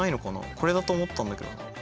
これだと思ったんだけどな。